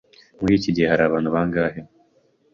Muri iki gihe hari abantu bangahe?